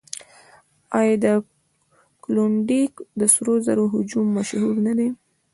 آیا د کلونډیک د سرو زرو هجوم مشهور نه دی؟